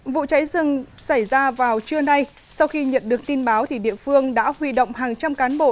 vụ cháy rừng xảy ra vào trưa nay sau khi nhận được tin báo địa phương đã huy động hàng trăm cán bộ